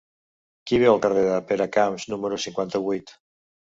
Qui viu al carrer de Peracamps número cinquanta-vuit?